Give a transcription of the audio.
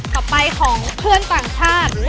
ต่อไปของเพื่อนต่างชาติ